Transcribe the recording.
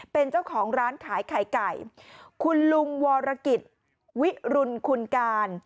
เป็นเจ้าของร้านขายไข่ไก่คุณลุงวรกิจวิรุณคุณการ